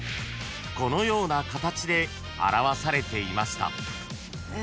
［このような形で表されていました］